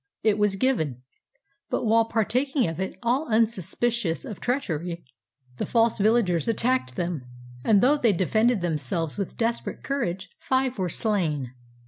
It was given. But while partaking of it, all unsuspicious of treachery, the false villagers attacked them; and though they defended themselves with des perate courage, five were slain.